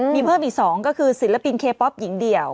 มีเพิ่มอีก๒ก็คือศิลปินเคป๊อปหญิงเดี่ยว